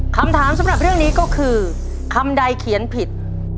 คำถามสำหรับเรื่องนี้ก็คือคำใดเขียนผิด